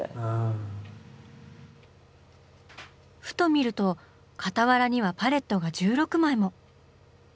ふと見ると傍らにはパレットが１６枚も！